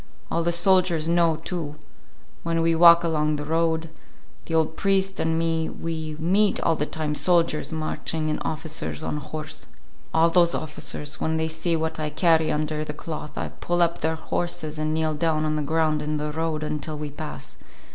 All the soldiers know, too. When we walk along the road, the old priest and me, we meet all the time soldiers marching and officers on horse. All those officers, when they see what I carry under the cloth, pull up their horses and kneel down on the ground in the road until we pass.